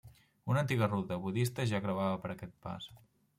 Una antiga ruta budista ja creuava per aquest pas.